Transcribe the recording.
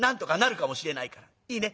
いいね？